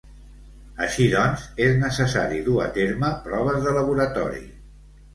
Així doncs, és necessari dur a terme proves de laboratori.